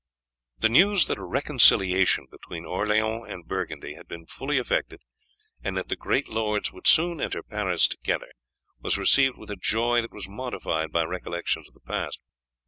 The news that a reconciliation between Orleans and Burgundy had been fully effected, and that the great lords would soon enter Paris together, was received with a joy that was modified by recollections of the past.